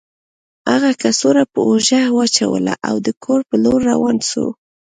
هغه کڅوړه په اوږه واچوله او د کور په لور روان شو